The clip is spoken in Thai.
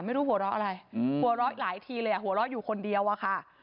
ไม่รู้หัวเราะอะไรหัวเราะหลายทีเลยหัวเราะอยู่คนเดียวอะค่ะ